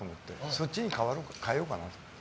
そっちに変えようかなと思って。